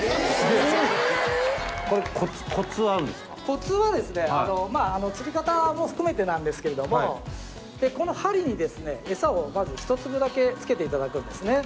コツはですね釣り方も含めてなんですけれどもこの針にですね餌をまず１粒だけつけて頂くんですね。